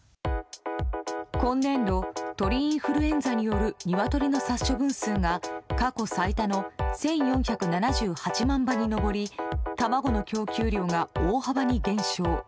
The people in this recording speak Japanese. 今年度、鳥インフルエンザによるニワトリの殺処分数が過去最多の１４７８万羽に上り卵の供給量が大幅に減少。